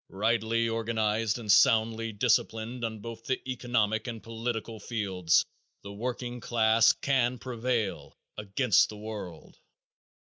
Rightly organized and soundly disciplined on both the economic and political fields, the working class can prevail against the world.